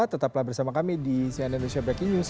tetaplah bersama kami di cnn indonesia breaking news